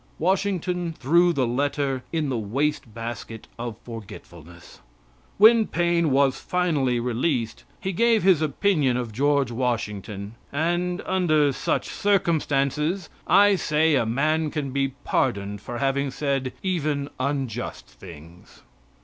Washington threw the letter in the wastebasket of forgetfulness. When Paine was finally released he gave his opinion of George Washington, and, under such circumstances, I say a man can be pardoned for having said even unjust things.